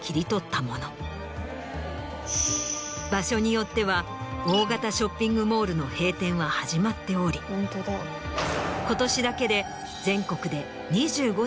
場所によっては大型ショッピングモールの閉店は始まっており今年だけで。